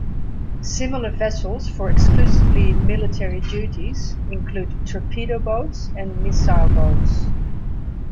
Similar vessels for exclusively military duties include torpedo boats and missile boats.